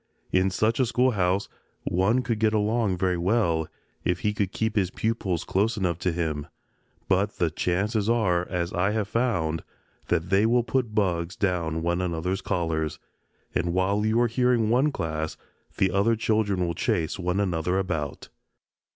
In such a schoolhouse one could get along very well, if he could keep his pupils close enough to him, but the chances are, as I have found, that they will put bugs down one another's collars, and while you are hearing one class the other children will chase one another about.